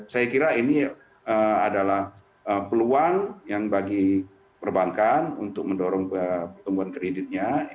saya kira ini adalah peluang yang bagi perbankan untuk mendorong pertumbuhan kreditnya